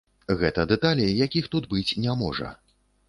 Гэта дэталі, якіх тут быць не можа.